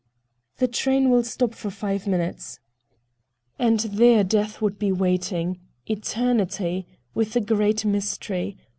"The train will stop for five minutes." And there death would be waiting—eternity—the great mystery.